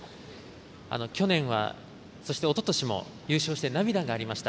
去年、そして、おととしも優勝して涙がありました。